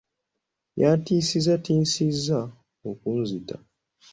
Yantiisatiisizza okunzita.